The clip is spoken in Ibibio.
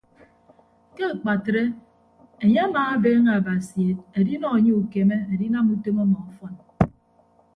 Ke akpatre enye amaabeeñe abasi edinọ anye ukeme adinam utom ọmọ ọfọn.